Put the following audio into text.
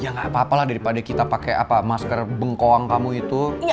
ya gak apa apa lah daripada kita pakai masker bengkowang kamu itu